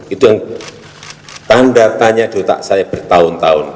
itu yang tanda tanya di otak saya bertahun tahun